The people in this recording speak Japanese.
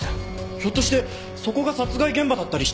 ひょっとしてそこが殺害現場だったりして！